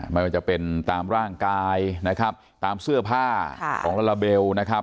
ไม่ว่าจะเป็นตามร่างกายนะครับตามเสื้อผ้าของลาลาเบลนะครับ